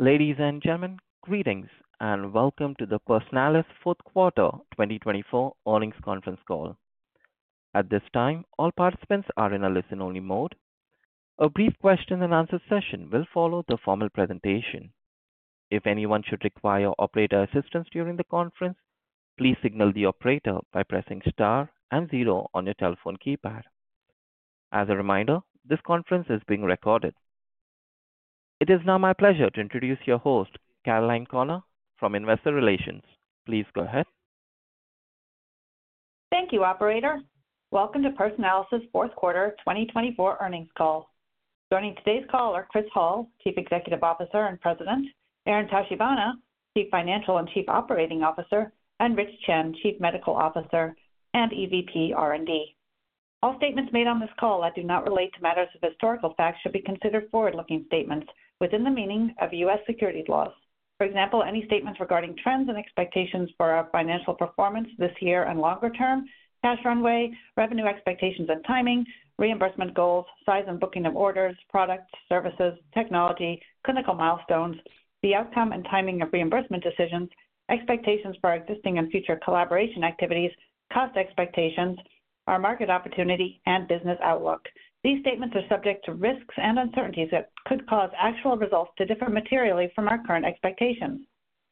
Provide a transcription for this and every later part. Ladies and gentlemen, greetings and welcome to the Personalis Fourth Quarter 2024 Earnings Conference Call. At this time, all participants are in a listen-only mode. A brief question-and-answer session will follow the formal presentation. If anyone should require operator assistance during the conference, please signal the operator by pressing star and zero on your telephone keypad. As a reminder, this conference is being recorded. It is now my pleasure to introduce your host, Caroline Corner, from Investor Relations. Please go ahead. Thank you, Operator. Welcome to Personalis' Fourth Quarter 2024 Earnings Call. Joining today's call are Chris Hall, Chief Executive Officer and President; Aaron Tachibana, Chief Financial and Chief Operating Officer; and Rich Chen, Chief Medical Officer and EVP R&D. All statements made on this call that do not relate to matters of historical fact should be considered forward-looking statements within the meaning of U.S. securities laws. For example, any statements regarding trends and expectations for our financial performance this year and longer term, cash runway, revenue expectations and timing, reimbursement goals, size and booking of orders, products, services, technology, clinical milestones, the outcome and timing of reimbursement decisions, expectations for our existing and future collaboration activities, cost expectations, our market opportunity, and business outlook. These statements are subject to risks and uncertainties that could cause actual results to differ materially from our current expectations.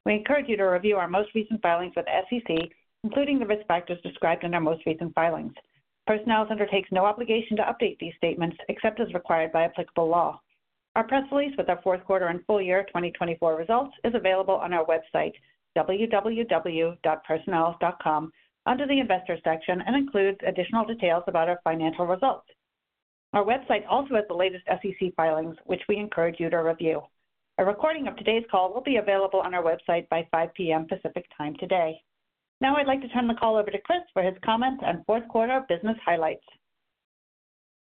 We encourage you to review our most recent filings with the SEC, including the risk factors described in our most recent filings. Personalis undertakes no obligation to update these statements except as required by applicable law. Our press release with our fourth quarter and full year 2024 results is available on our website, www.personalis.com, under the Investor section, and includes additional details about our financial results. Our website also has the latest SEC filings, which we encourage you to review. A recording of today's call will be available on our website by 5:00 P.M. Pacific Time today. Now, I'd like to turn the call over to Chris for his comments and fourth quarter business highlights.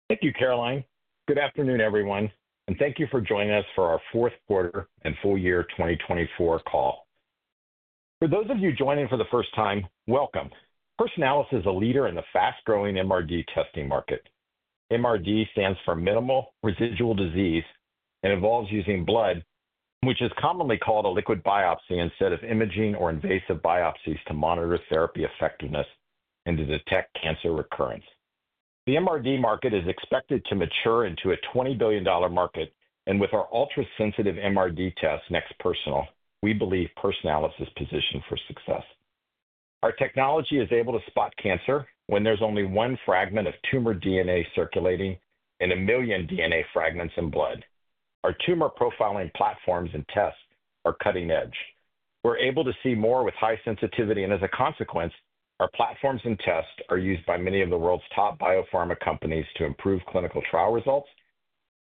Thank you, Caroline. Good afternoon, everyone, and thank you for joining us for our fourth quarter and full year 2024 call. For those of you joining for the first time, welcome. Personalis is a leader in the fast-growing MRD testing market. MRD stands for Minimal Residual Disease and involves using blood, which is commonly called a liquid biopsy instead of imaging or invasive biopsies to monitor therapy effectiveness and to detect cancer recurrence. The MRD market is expected to mature into a $20 billion market, and with our ultra-sensitive MRD tests NeXT Personal, we believe Personalis is positioned for success. Our technology is able to spot cancer when there is only one fragment of tumor DNA circulating in a million DNA fragments in blood. Our tumor profiling platforms and tests are cutting edge. We're able to see more with high sensitivity, and as a consequence, our platforms and tests are used by many of the world's top biopharma companies to improve clinical trial results,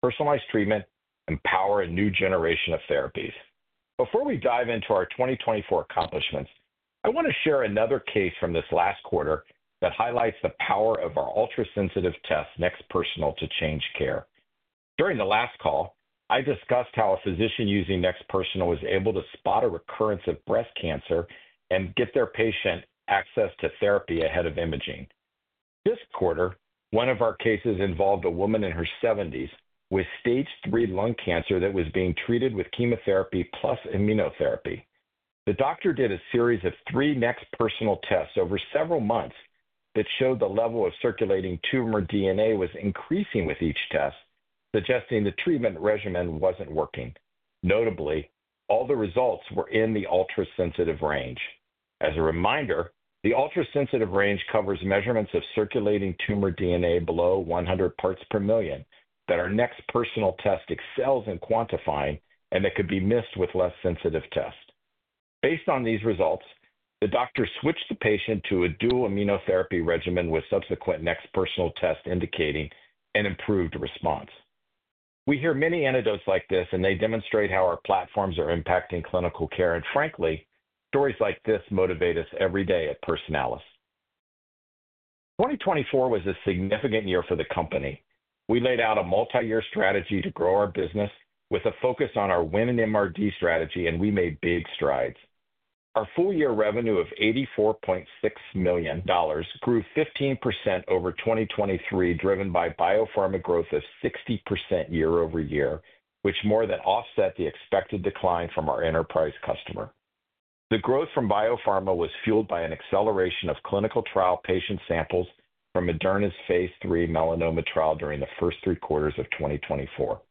personalize treatment, and power a new generation of therapies. Before we dive into our 2024 accomplishments, I want to share another case from this last quarter that highlights the power of our ultra-sensitive tests NeXT Personal to change care. During the last call, I discussed how a physician using NeXT Personal was able to spot a recurrence of breast cancer and get their patient access to therapy ahead of imaging. This quarter, one of our cases involved a woman in her seventies with stage III lung cancer that was being treated with chemotherapy plus immunotherapy. The doctor did a series of three NeXT Personal tests over several months that showed the level of circulating tumor DNA was increasing with each test, suggesting the treatment regimen was not working. Notably, all the results were in the ultra-sensitive range. As a reminder, the ultra-sensitive range covers measurements of circulating tumor DNA below 100 parts per million that our NeXT Personal test excels in quantifying and that could be missed with less sensitive tests. Based on these results, the doctor switched the patient to a dual immunotherapy regimen with subsequent NeXT Personal tests indicating an improved response. We hear many anecdotes like this, and they demonstrate how our platforms are impacting clinical care, and frankly, stories like this motivate us every day at Personalis. 2024 was a significant year for the company. We laid out a multi-year strategy to grow our business with a focus on our winning MRD strategy, and we made big strides. Our full year revenue of $84.6 million grew 15% over 2023, driven by biopharma growth of 60% year over year, which more than offset the expected decline from our enterprise customer. The growth from biopharma was fueled by an acceleration of clinical trial patient samples from Moderna's phase III melanoma trial during the first three quarters of 2024.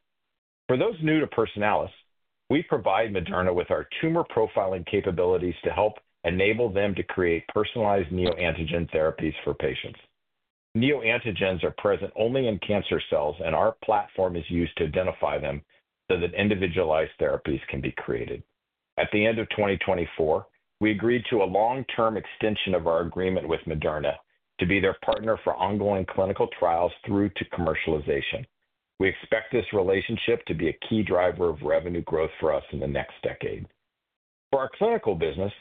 For those new to Personalis, we provide Moderna with our tumor profiling capabilities to help enable them to create personalized neoantigen therapies for patients. Neoantigens are present only in cancer cells, and our platform is used to identify them so that individualized therapies can be created. At the end of 2024, we agreed to a long-term extension of our agreement with Moderna to be their partner for ongoing clinical trials through to commercialization. We expect this relationship to be a key driver of revenue growth for us in the next decade. For our clinical business,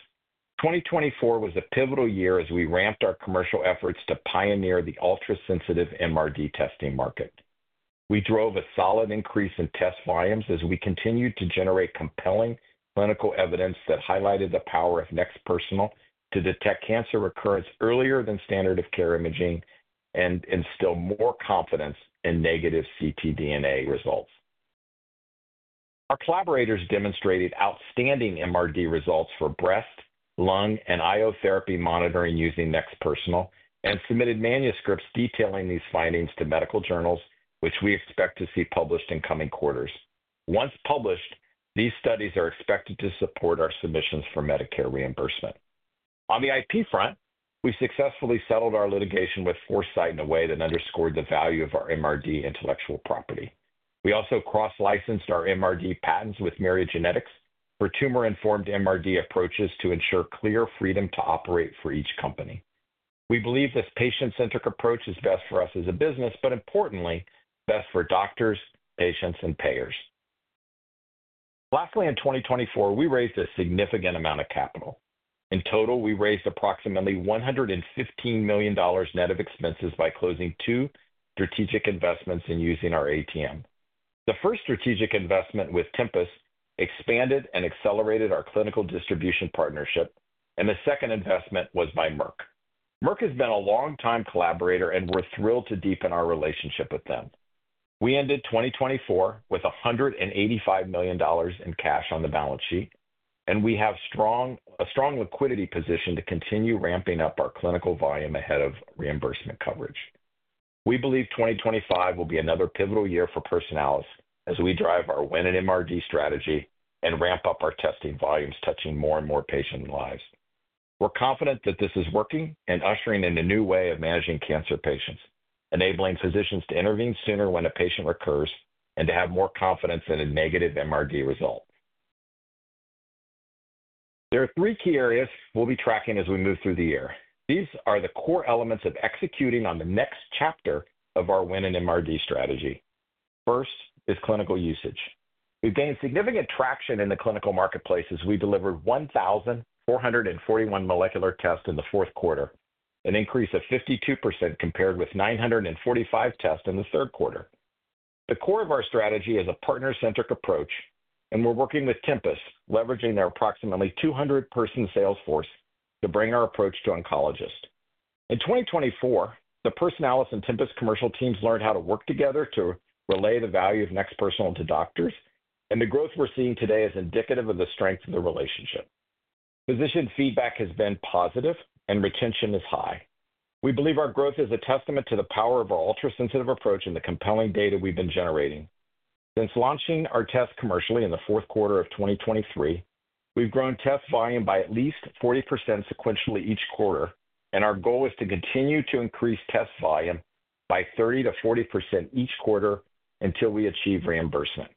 2024 was a pivotal year as we ramped our commercial efforts to pioneer the ultra-sensitive MRD testing market. We drove a solid increase in test volumes as we continued to generate compelling clinical evidence that highlighted the power of NeXT Personal to detect cancer recurrence earlier than standard of care imaging and instill more confidence in negative ctDNA results. Our collaborators demonstrated outstanding MRD results for breast, lung, and immunotherapy monitoring using NeXT Personal and submitted manuscripts detailing these findings to medical journals, which we expect to see published in coming quarters. Once published, these studies are expected to support our submissions for Medicare reimbursement. On the IP front, we successfully settled our litigation with Foresight Diagnostics in a way that underscored the value of our MRD intellectual property. We also cross-licensed our MRD patents with Myriad Genetics for tumor-informed MRD approaches to ensure clear freedom to operate for each company. We believe this patient-centric approach is best for us as a business, but importantly, best for doctors, patients, and payers. Lastly, in 2024, we raised a significant amount of capital. In total, we raised approximately $115 million net of expenses by closing two strategic investments in using our ATM. The first strategic investment with Tempus expanded and accelerated our clinical distribution partnership, and the second investment was by Merck. Merck has been a long-time collaborator, and we're thrilled to deepen our relationship with them. We ended 2024 with $185 million in cash on the balance sheet, and we have a strong liquidity position to continue ramping up our clinical volume ahead of reimbursement coverage. We believe 2025 will be another pivotal year for Personalis as we drive our winning MRD strategy and ramp up our testing volumes, touching more and more patient lives. We're confident that this is working and ushering in a new way of managing cancer patients, enabling physicians to intervene sooner when a patient recurs and to have more confidence in a negative MRD result. There are three key areas we'll be tracking as we move through the year. These are the core elements of executing on the next chapter of our winning MRD strategy. First is clinical usage. We've gained significant traction in the clinical marketplace as we delivered 1,441 molecular tests in the fourth quarter, an increase of 52% compared with 945 tests in the third quarter. The core of our strategy is a partner-centric approach, and we're working with Tempus, leveraging their approximately 200-person sales force to bring our approach to oncologists. In 2024, the Personalis and Tempus commercial teams learned how to work together to relay the value of NeXT Personal to doctors, and the growth we're seeing today is indicative of the strength of the relationship. Physician feedback has been positive, and retention is high. We believe our growth is a testament to the power of our ultra-sensitive approach and the compelling data we've been generating. Since launching our tests commercially in the fourth quarter of 2023, we've grown test volume by at least 40% sequentially each quarter, and our goal is to continue to increase test volume by 30%-40% each quarter until we achieve reimbursement.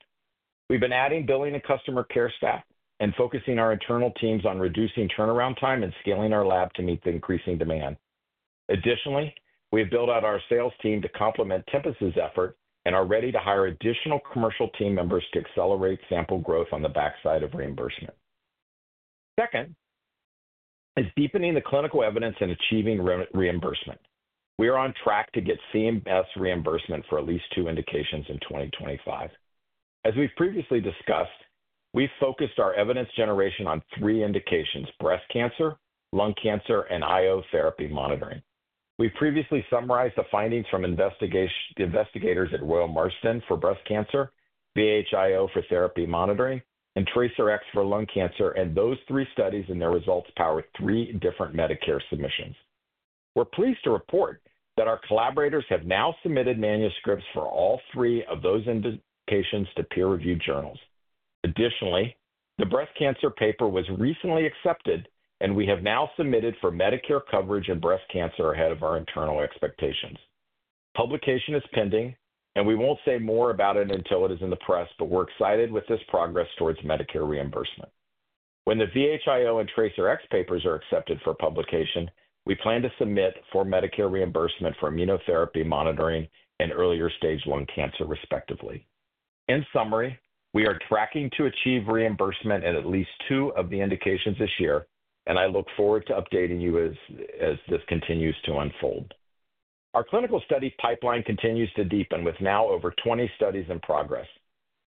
We've been adding, building a customer care staff, and focusing our internal teams on reducing turnaround time and scaling our lab to meet the increasing demand. Additionally, we have built out our sales team to complement Tempus's effort and are ready to hire additional commercial team members to accelerate sample growth on the backside of reimbursement. Second is deepening the clinical evidence and achieving reimbursement. We are on track to get CMS reimbursement for at least two indications in 2025. As we've previously discussed, we've focused our evidence generation on three indications: breast cancer, lung cancer, and immunotherapy monitoring. We've previously summarized the findings from investigators at Royal Marsden for breast cancer, VHIO for therapy monitoring, and TRACERx for lung cancer, and those three studies and their results power three different Medicare submissions. We're pleased to report that our collaborators have now submitted manuscripts for all three of those indications to peer-reviewed journals. Additionally, the breast cancer paper was recently accepted, and we have now submitted for Medicare coverage in breast cancer ahead of our internal expectations. Publication is pending, and we won't say more about it until it is in the press, but we're excited with this progress towards Medicare reimbursement. When the VHIO and TRACERx papers are accepted for publication, we plan to submit for Medicare reimbursement for immunotherapy monitoring and earlier stage I cancer, respectively. In summary, we are tracking to achieve reimbursement in at least two of the indications this year, and I look forward to updating you as this continues to unfold. Our clinical study pipeline continues to deepen with now over 20 studies in progress.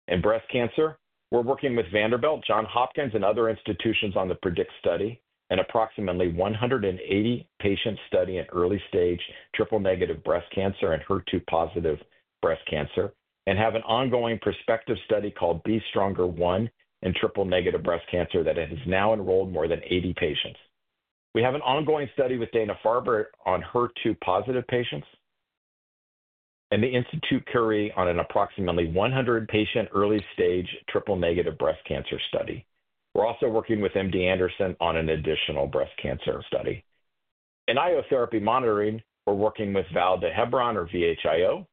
In breast cancer, we're working with Vanderbilt, Johns Hopkins, and other institutions on the PREDICT study and approximately 180 patients studying early stage triple-negative breast cancer and HER2-positive breast cancer, and have an ongoing prospective study called BeStronger One in triple-negative breast cancer that has now enrolled more than 80 patients. We have an ongoing study with Dana Farber on HER2-positive patients and the Institute Curie on an approximately 100-patient early stage triple-negative breast cancer study. We're also working with MD Anderson on an additional breast cancer study. In immunotherapy monitoring, we're working with Vall d'Hebron, or VHIO,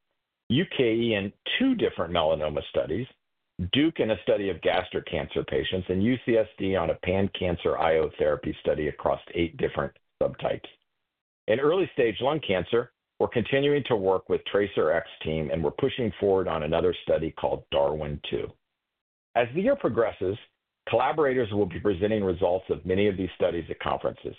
UKE in two different melanoma studies, Duke in a study of gastric cancer patients, and UCSD on a pan-cancer immunotherapy study across eight different subtypes. In early stage lung cancer, we're continuing to work with the TRACERx team, and we're pushing forward on another study called DARWIN II. As the year progresses, collaborators will be presenting results of many of these studies at conferences.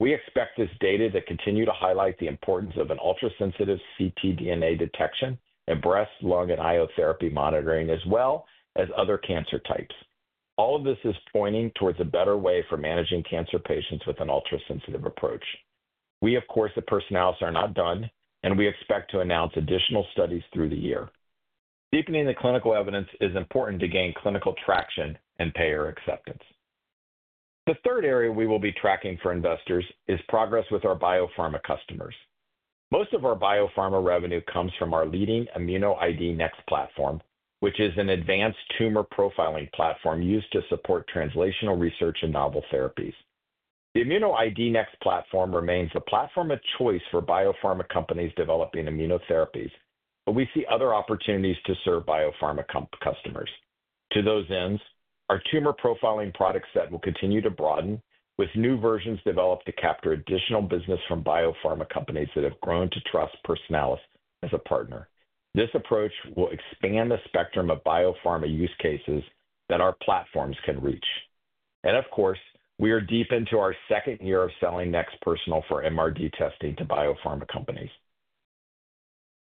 We expect this data to continue to highlight the importance of an ultra-sensitive ctDNA detection in breast, lung, and immunotherapy monitoring, as well as other cancer types. All of this is pointing towards a better way for managing cancer patients with an ultra-sensitive approach. We, of course, at Personalis are not done, and we expect to announce additional studies through the year. Deepening the clinical evidence is important to gain clinical traction and payer acceptance. The third area we will be tracking for investors is progress with our biopharma customers. Most of our biopharma revenue comes from our leading ImmunoID Next platform, which is an advanced tumor profiling platform used to support translational research and novel therapies. The ImmunoID Next platform remains the platform of choice for biopharma companies developing immunotherapies. We see other opportunities to serve biopharma customers. To those ends, our tumor profiling product set will continue to broaden with new versions developed to capture additional business from biopharma companies that have grown to trust Personalis as a partner. This approach will expand the spectrum of biopharma use cases that our platforms can reach. We are deep into our second year of selling NeXT Personal for MRD testing to biopharma companies.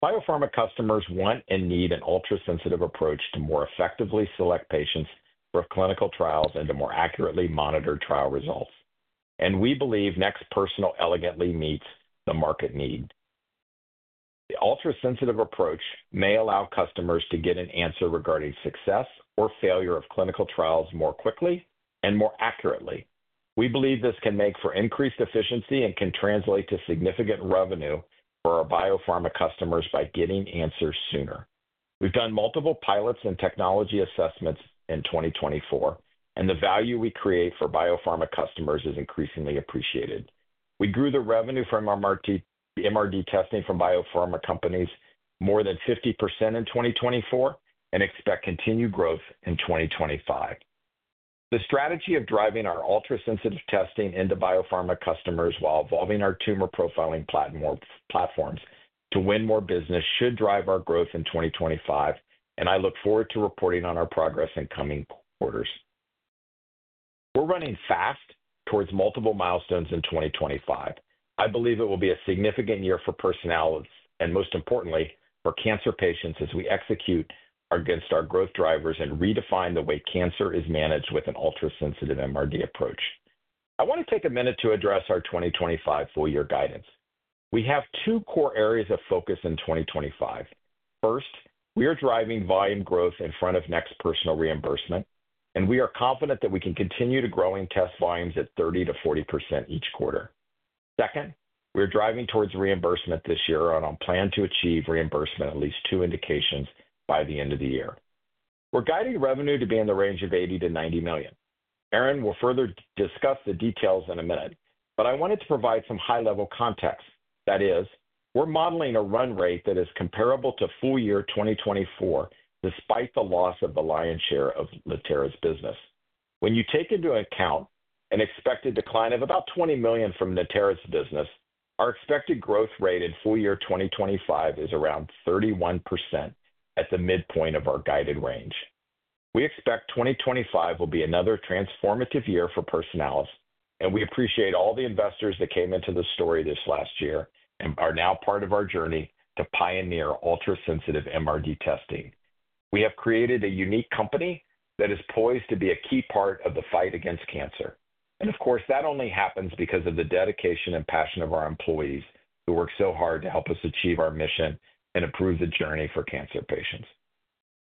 Biopharma customers want and need an ultra-sensitive approach to more effectively select patients for clinical trials and to more accurately monitor trial results. We believe NeXT Personal elegantly meets the market need. The ultra-sensitive approach may allow customers to get an answer regarding success or failure of clinical trials more quickly and more accurately. We believe this can make for increased efficiency and can translate to significant revenue for our biopharma customers by getting answers sooner. We have done multiple pilots and technology assessments in 2024, and the value we create for biopharma customers is increasingly appreciated. We grew the revenue from MRD testing from biopharma companies more than 50% in 2024 and expect continued growth in 2025. The strategy of driving our ultra-sensitive testing into biopharma customers while evolving our tumor profiling platforms to win more business should drive our growth in 2025, and I look forward to reporting on our progress in coming quarters. We're running fast towards multiple milestones in 2025. I believe it will be a significant year for Personalis and, most importantly, for cancer patients as we execute against our growth drivers and redefine the way cancer is managed with an ultra-sensitive MRD approach. I want to take a minute to address our 2025 full year guidance. We have two core areas of focus in 2025. First, we are driving volume growth in front of NeXT Personal reimbursement, and we are confident that we can continue to grow in test volumes at 30%-40% each quarter. Second, we are driving towards reimbursement this year and plan to achieve reimbursement at least two indications by the end of the year. We're guiding revenue to be in the range of $80 million-$90 million. Aaron, we'll further discuss the details in a minute, but I wanted to provide some high-level context. That is, we're modeling a run rate that is comparable to full year 2024 despite the loss of the lion's share of Natera's business. When you take into account an expected decline of about $20 million from Natera's business, our expected growth rate in full year 2025 is around 31% at the midpoint of our guided range. We expect 2025 will be another transformative year for Personalis, and we appreciate all the investors that came into the story this last year and are now part of our journey to pioneer ultra-sensitive MRD testing. We have created a unique company that is poised to be a key part of the fight against cancer. Of course, that only happens because of the dedication and passion of our employees who work so hard to help us achieve our mission and improve the journey for cancer patients.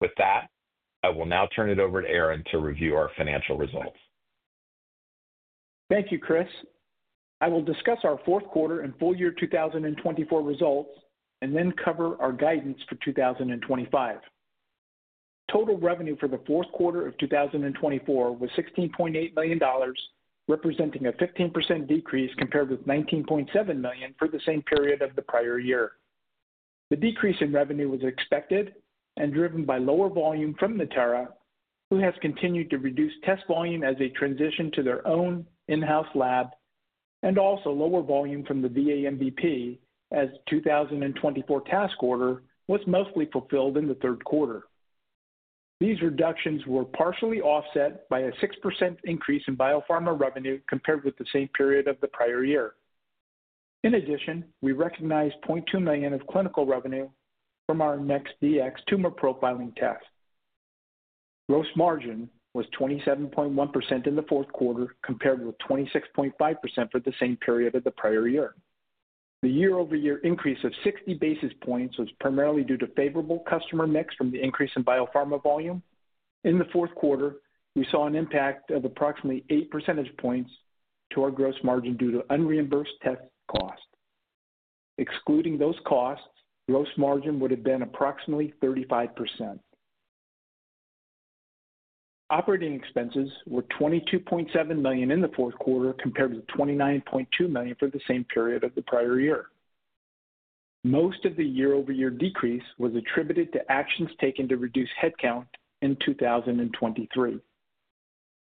With that, I will now turn it over to Aaron to review our financial results. Thank you, Chris. I will discuss our fourth quarter and full year 2024 results and then cover our guidance for 2025. Total revenue for the fourth quarter of 2024 was $16.8 million, representing a 15% decrease compared with $19.7 million for the same period of the prior year. The decrease in revenue was expected and driven by lower volume from Natera, who has continued to reduce test volume as they transitioned to their own in-house lab, and also lower volume from the VA MVP as the 2024 task order was mostly fulfilled in the third quarter. These reductions were partially offset by a 6% increase in biopharma revenue compared with the same period of the prior year. In addition, we recognized $0.2 million of clinical revenue from our NeXT Personal tumor profiling test. Gross margin was 27.1% in the fourth quarter compared with 26.5% for the same period of the prior year. The year-over-year increase of 60 basis points was primarily due to favorable customer mix from the increase in biopharma volume. In the fourth quarter, we saw an impact of approximately 8 percentage points to our gross margin due to unreimbursed test cost. Excluding those costs, gross margin would have been approximately 35%. Operating expenses were $22.7 million in the fourth quarter compared with $29.2 million for the same period of the prior year. Most of the year-over-year decrease was attributed to actions taken to reduce headcount in 2023.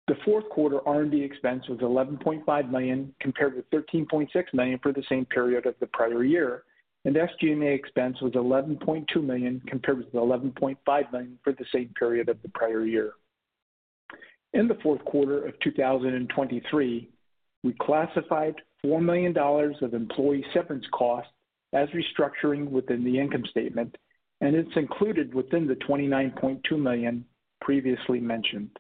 The fourth quarter R&D expense was $11.5 million compared with $13.6 million for the same period of the prior year, and SG&A expense was $11.2 million compared with $11.5 million for the same period of the prior year. In the fourth quarter of 2023, we classified $4 million of employee severance cost as restructuring within the income statement, and it's included within the $29.2 million previously mentioned.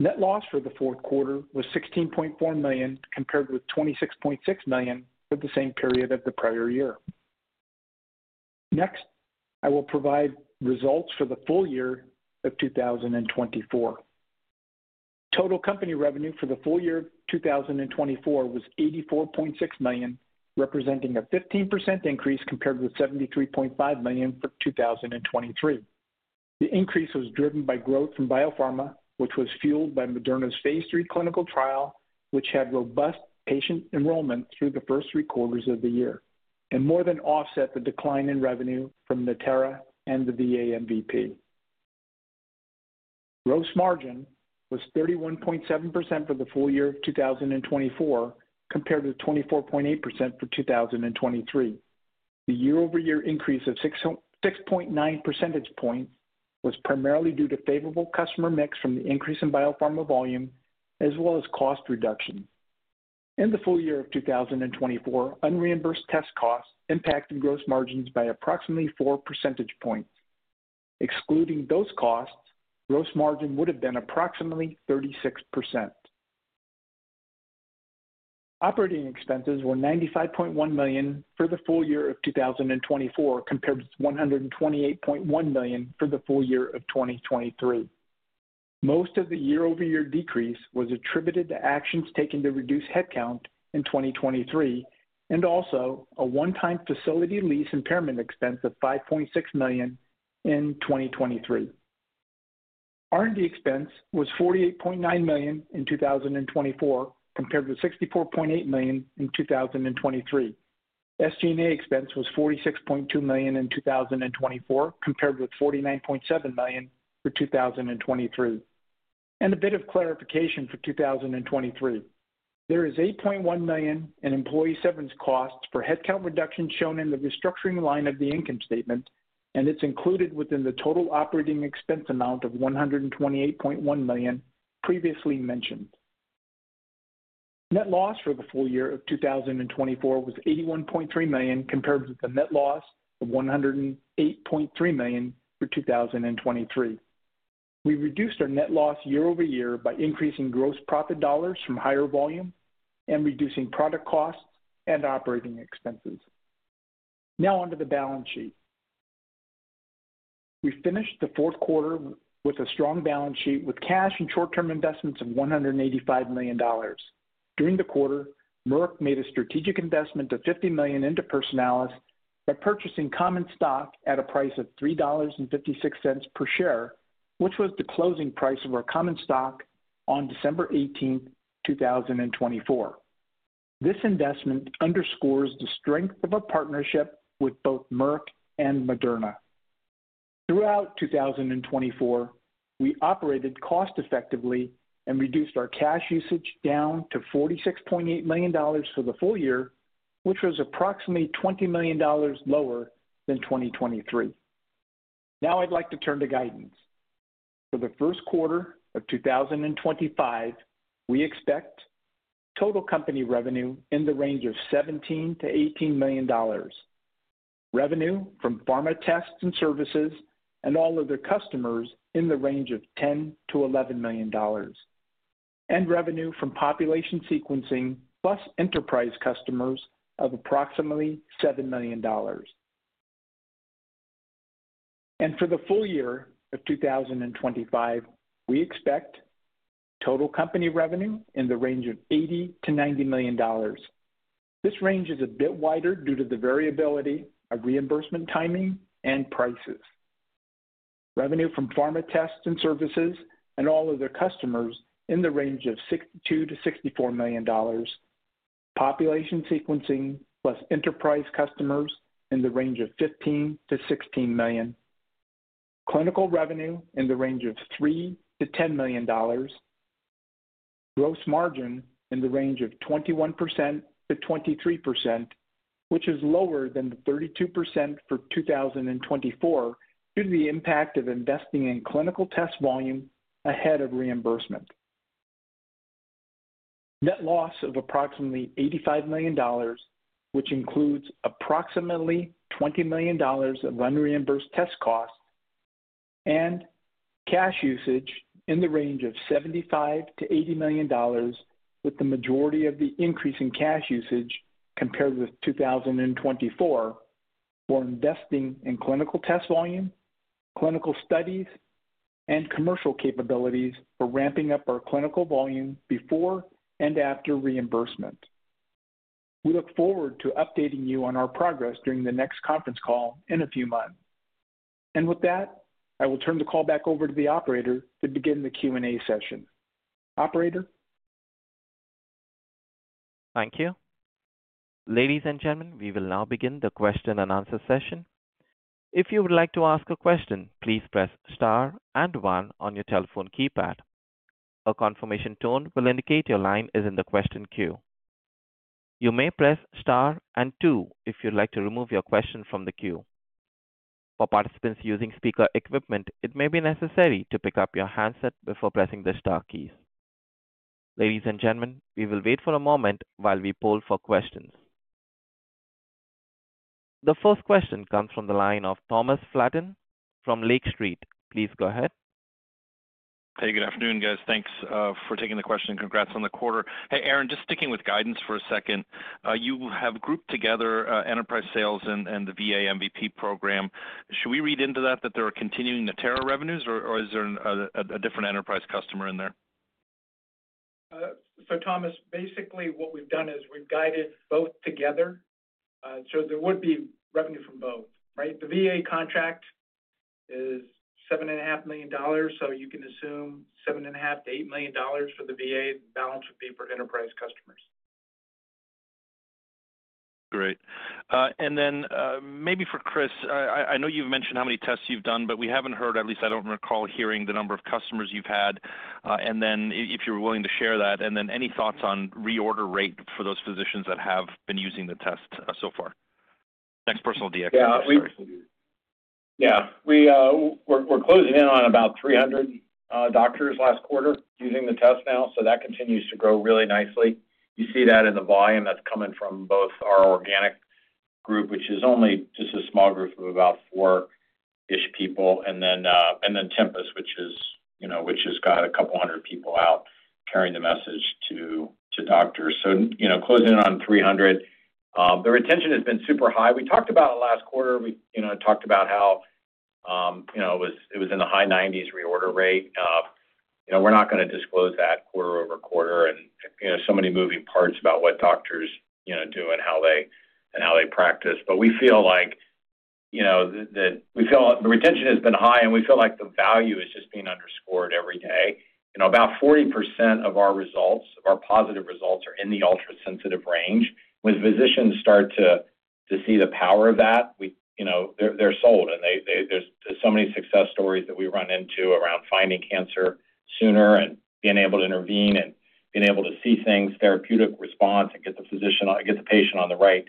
Net loss for the fourth quarter was $16.4 million compared with $26.6 million for the same period of the prior year. Next, I will provide results for the full year of 2024. Total company revenue for the full year of 2024 was $84.6 million, representing a 15% increase compared with $73.5 million for 2023. The increase was driven by growth from biopharma, which was fueled by Moderna's phase three clinical trial, which had robust patient enrollment through the first three quarters of the year, and more than offset the decline in revenue from Natera and the VA MVP. Gross margin was 31.7% for the full year of 2024 compared with 24.8% for 2023. The year-over-year increase of 6.9 percentage points was primarily due to favorable customer mix from the increase in biopharma volume, as well as cost reduction. In the full year of 2024, unreimbursed test costs impacted gross margins by approximately 4 percentage points. Excluding those costs, gross margin would have been approximately 36%. Operating expenses were $95.1 million for the full year of 2024 compared with $128.1 million for the full year of 2023. Most of the year-over-year decrease was attributed to actions taken to reduce headcount in 2023, and also a one-time facility lease impairment expense of $5.6 million in 2023. R&D expense was $48.9 million in 2024 compared with $64.8 million in 2023. SGMA expense was $46.2 million in 2024 compared with $49.7 million for 2023. A bit of clarification for 2023. There is $8.1 million in employee severance costs for headcount reduction shown in the restructuring line of the income statement, and it is included within the total operating expense amount of $128.1 million previously mentioned. Net loss for the full year of 2024 was $81.3 million compared with the net loss of $108.3 million for 2023. We reduced our net loss year-over-year by increasing gross profit dollars from higher volume and reducing product costs and operating expenses. Now onto the balance sheet. We finished the fourth quarter with a strong balance sheet with cash and short-term investments of $185 million. During the quarter, Merck made a strategic investment of $50 million into Personalis by purchasing common stock at a price of $3.56 per share, which was the closing price of our common stock on December 18, 2024. This investment underscores the strength of our partnership with both Merck and Moderna. Throughout 2024, we operated cost-effectively and reduced our cash usage down to $46.8 million for the full year, which was approximately $20 million lower than 2023. Now I'd like to turn to guidance. For the first quarter of 2025, we expect total company revenue in the range of $17-$18 million. Revenue from pharma tests and services and all other customers in the range of $10-$11 million. Revenue from population sequencing plus enterprise customers of approximately $7 million. For the full year of 2025, we expect total company revenue in the range of $80-$90 million. This range is a bit wider due to the variability of reimbursement timing and prices. Revenue from pharma tests and services and all other customers in the range of $62-$64 million. Population sequencing plus enterprise customers in the range of $15-$16 million. Clinical revenue in the range of $3-$10 million. Gross margin in the range of 21%-23%, which is lower than the 32% for 2024 due to the impact of investing in clinical test volume ahead of reimbursement. Net loss of approximately $85 million, which includes approximately $20 million of unreimbursed test costs, and cash usage in the range of $75-$80 million, with the majority of the increase in cash usage compared with 2024 for investing in clinical test volume, clinical studies, and commercial capabilities for ramping up our clinical volume before and after reimbursement. We look forward to updating you on our progress during the next conference call in a few months. I will turn the call back over to the operator to begin the Q&A session. Operator. Thank you. Ladies and gentlemen, we will now begin the question and answer session. If you would like to ask a question, please press star and one on your telephone keypad. A confirmation tone will indicate your line is in the question queue. You may press star and two if you'd like to remove your question from the queue. For participants using speaker equipment, it may be necessary to pick up your handset before pressing the star keys. Ladies and gentlemen, we will wait for a moment while we poll for questions. The first question comes from the line of Thomas Flaten from Lake Street. Please go ahead. Hey, good afternoon, guys. Thanks for taking the question. Congrats on the quarter. Hey, Aaron, just sticking with guidance for a second. You have grouped together enterprise sales and the VA MVP program. Should we read into that that there are continuing Natera revenues, or is there a different enterprise customer in there? Thomas, basically what we've done is we've guided both together. There would be revenue from both, right? The VA contract is $7.5 million, so you can assume $7.5-$8 million for the VA. The balance would be for enterprise customers. Great. Maybe for Chris, I know you've mentioned how many tests you've done, but we haven't heard, at least I don't recall hearing, the number of customers you've had. If you're willing to share that, and any thoughts on reorder rate for those physicians that have been using the test so far? NeXT Personal Dx. Yeah. We're closing in on about 300 doctors last quarter using the test now, so that continues to grow really nicely. You see that in the volume that's coming from both our organic group, which is only just a small group of about four-ish people, and then Tempus, which has got a couple hundred people out carrying the message to doctors. Closing in on 300. The retention has been super high. We talked about it last quarter. We talked about how it was in the high 90% reorder rate. We're not going to disclose that quarter over quarter and so many moving parts about what doctors do and how they practice. We feel like the retention has been high, and we feel like the value is just being underscored every day. About 40% of our results, of our positive results, are in the ultra-sensitive range. When physicians start to see the power of that, they're sold. There are so many success stories that we run into around finding cancer sooner and being able to intervene and being able to see things, therapeutic response, and get the patient on the right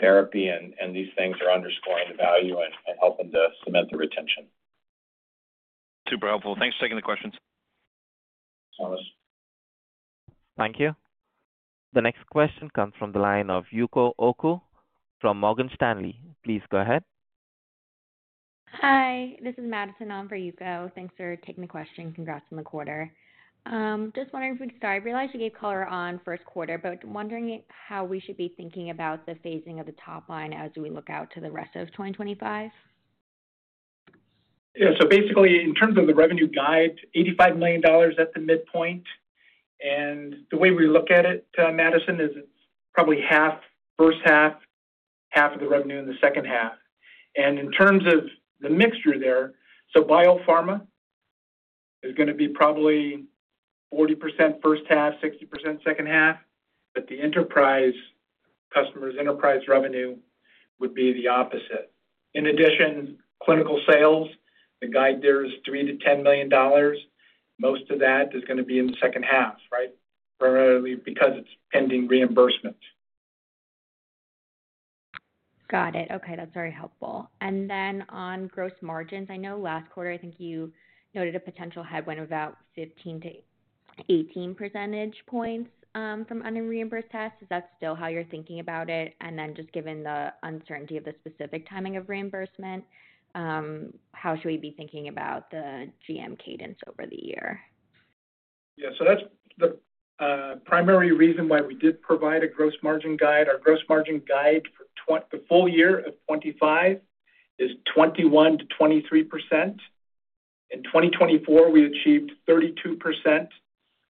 therapy. These things are underscoring the value and helping to cement the retention. Super helpful. Thanks for taking the questions. Thank you. The next question comes from the line of Yuko Oku from Morgan Stanley. Please go ahead. Hi. This is Madison. I'm for Yuko. Thanks for taking the question. Congrats on the quarter. Just wondering if we could start. I realize you gave color on first quarter, but wondering how we should be thinking about the phasing of the top line as we look out to the rest of 2025. Yeah. Basically, in terms of the revenue guide, $85 million at the midpoint. The way we look at it, Madison, is it's probably half, first half, half of the revenue in the second half. In terms of the mixture there, biopharma is going to be probably 40% first half, 60% second half, but the enterprise customers, enterprise revenue would be the opposite. In addition, clinical sales, the guide there is $3 million to $10 million. Most of that is going to be in the second half, right? Primarily because it's pending reimbursement. Got it. Okay. That's very helpful. On gross margins, I know last quarter, I think you noted a potential headwind of about 15%-18% points from unreimbursed tests. Is that still how you're thinking about it? Just given the uncertainty of the specific timing of reimbursement, how should we be thinking about the GM cadence over the year? Yeah. That's the primary reason why we did provide a gross margin guide. Our gross margin guide for the full year of 2025 is 21%-23%. In 2024, we achieved 32%.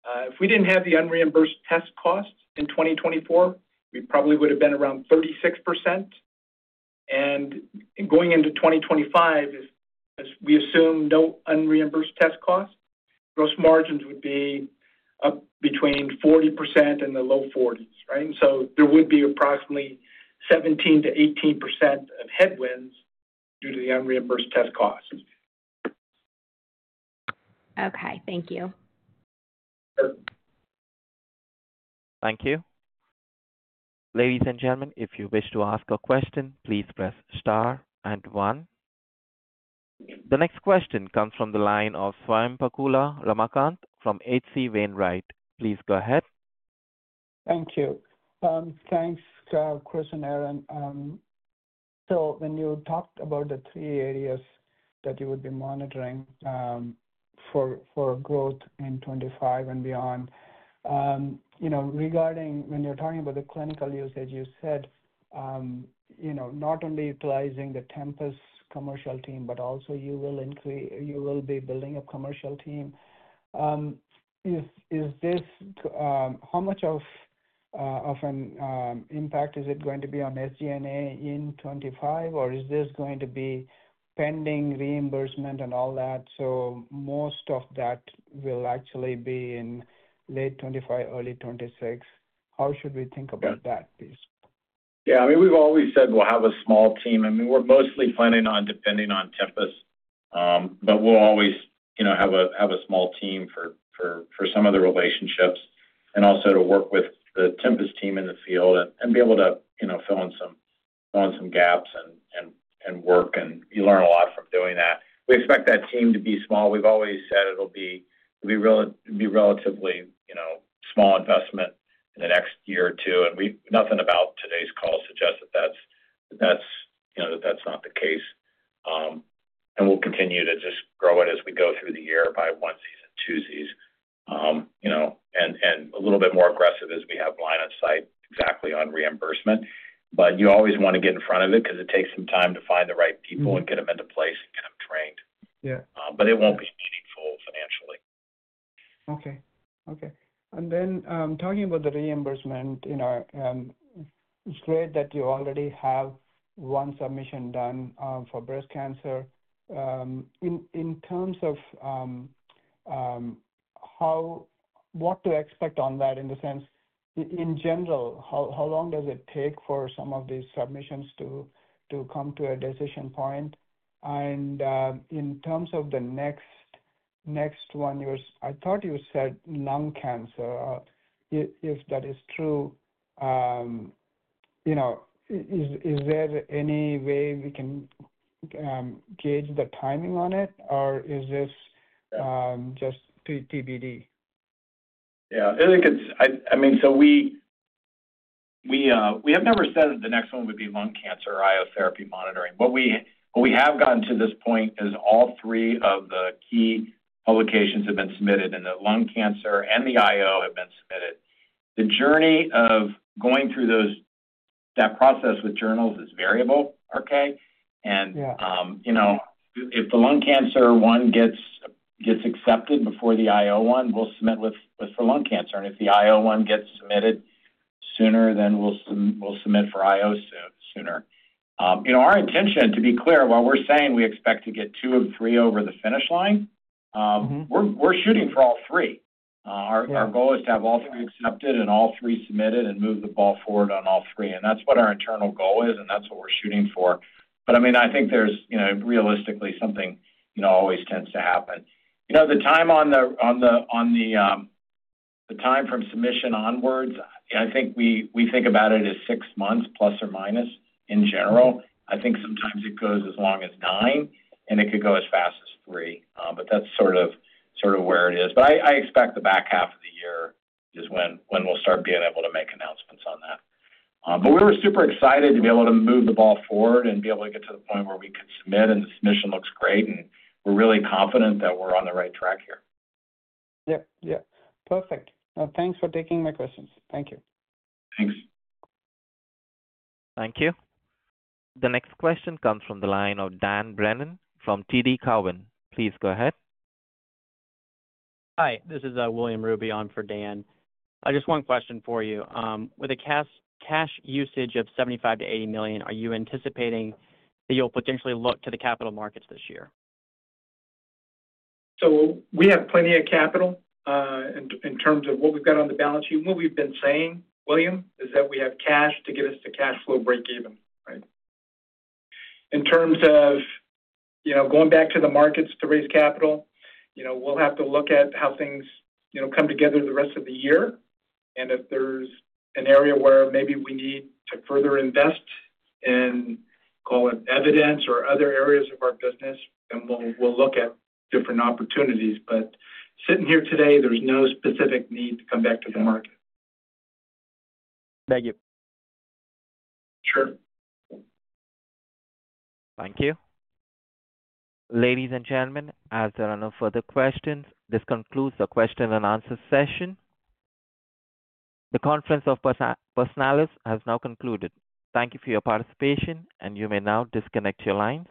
If we didn't have the unreimbursed test costs in 2024, we probably would have been around 36%. Going into 2025, as we assume no unreimbursed test costs, gross margins would be between 40% and the low 40s, right? There would be approximately 17%-18% of headwinds due to the unreimbursed test costs. Okay. Thank you. Thank you. Ladies and gentlemen, if you wish to ask a question, please press star and one. The next question comes from the line of Swayampakula Ramakanth from H.C. Wainwright. Please go ahead. Thank you. Thanks, Chris and Aaron. When you talked about the three areas that you would be monitoring for growth in 2025 and beyond, regarding when you're talking about the clinical usage, you said not only utilizing the Tempus commercial team, but also you will be building a commercial team. How much of an impact is it going to be on SG&A in 2025, or is this going to be pending reimbursement and all that? Most of that will actually be in late 2025, early 2026. How should we think about that, please? Yeah. I mean, we've always said we'll have a small team. I mean, we're mostly planning on depending on Tempus, but we'll always have a small team for some of the relationships and also to work with the Tempus team in the field and be able to fill in some gaps and work. You learn a lot from doing that. We expect that team to be small. We've always said it'll be a relatively small investment in the next year or two. Nothing about today's call suggests that that's not the case. We'll continue to just grow it as we go through the year by onesies and twosies and a little bit more aggressive as we have line of sight exactly on reimbursement. You always want to get in front of it because it takes some time to find the right people and get them into place and get them trained. It won't be meaningful financially. Okay. Okay. Talking about the reimbursement, it's great that you already have one submission done for breast cancer. In terms of what to expect on that, in the sense, in general, how long does it take for some of these submissions to come to a decision point? In terms of the next one, I thought you said lung cancer. If that is true, is there any way we can gauge the timing on it, or is this just TBD? Yeah. I mean, we have never said that the next one would be lung cancer or IO therapy monitoring. What we have gotten to this point is all three of the key publications have been submitted, and the lung cancer and the IO have been submitted. The journey of going through that process with journals is variable, okay? If the lung cancer one gets accepted before the IO one, we'll submit with the lung cancer. If the IO one gets submitted sooner, then we'll submit for IO sooner. Our intention, to be clear, while we're saying we expect to get two of three over the finish line, we're shooting for all three. Our goal is to have all three accepted and all three submitted and move the ball forward on all three. That's what our internal goal is, and that's what we're shooting for. I mean, I think there's realistically something always tends to happen. The time from submission onwards, I think we think about it as six months plus or minus in general. I think sometimes it goes as long as nine, and it could go as fast as three. That's sort of where it is. I expect the back half of the year is when we'll start being able to make announcements on that. We were super excited to be able to move the ball forward and be able to get to the point where we could submit, and the submission looks great. We're really confident that we're on the right track here. Yeah. Yeah. Perfect. Thanks for taking my questions. Thank you. Thanks. Thank you. The next question comes from the line of Dan Brennan from TD Cowen. Please go ahead. Hi. This is William Ruby on for Dan. Just one question for you. With a cash usage of $75-$80 million, are you anticipating that you'll potentially look to the capital markets this year? We have plenty of capital in terms of what we've got on the balance sheet. What we've been saying, William, is that we have cash to get us to cash flow breakeven, right? In terms of going back to the markets to raise capital, we'll have to look at how things come together the rest of the year. If there's an area where maybe we need to further invest in, call it evidence or other areas of our business, then we'll look at different opportunities. Sitting here today, there's no specific need to come back to the market. Thank you. Sure. Thank you. Ladies and gentlemen, as there are no further questions, this concludes the question and answer session. The conference of Personalis has now concluded. Thank you for your participation, and you may now disconnect your lines.